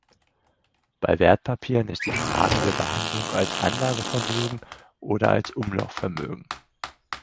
Bei Wertpapieren ist die Frage der Behandlung als Anlagevermögen oder als Umlaufvermögen.